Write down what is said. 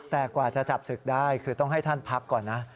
แต่กว่าจะจับศึกได้คือต้องให้ท่านพักก่อนนะ